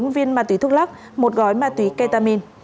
bốn mươi bốn viên ma túy thuốc lắc một gói ma túy ketamine